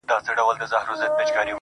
ښكلو ته كاته اكثر_